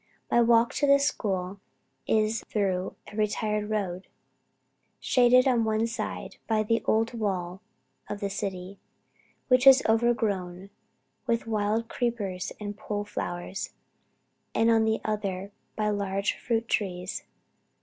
My walk to this school is through a retired road, shaded on one side by the old wall of the city, which is overgrown with wild creepers and pole flowers, and on the other by large fruit trees.